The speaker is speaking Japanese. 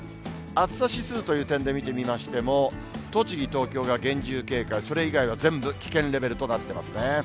暑さ指数という点で見てみましても、栃木、東京が厳重警戒、それ以外は全部、危険レベルとなってますね。